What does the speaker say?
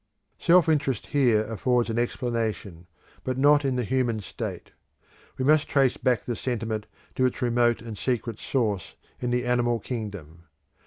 Self interest here affords an explanation, but not in the human state; we must trace back the sentiment to its remote and secret source in the animal kingdom.